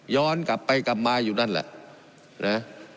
ย้อนกลับไปกลับมาอยู่นั่นแหละ